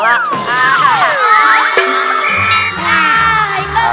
emang kamu sholat pakai koma segala